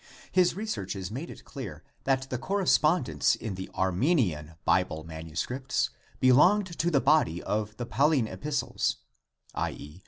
His researches made it clear that the correspondence in the Armenian Bible manuscripts belonged to the body of the Pauline epistles, i.e.